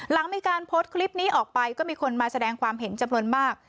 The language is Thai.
หลังมีการโพสต์คลิปนี้ออกไปก็มีคนมาแสดงความเห็นจำนวนมาก